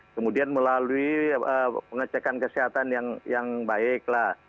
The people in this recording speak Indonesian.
kemudian melalui pengecekan kesehatan yang baik lah